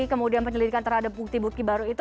kemudian penyelidikan terhadap bukti bukti baru itu